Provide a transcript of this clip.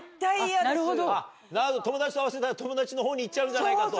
なるほど友達と会わせたら友達のほうに行っちゃうんじゃないかと。